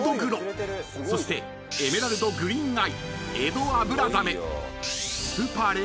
［そしてエメラルドグリーンアイ］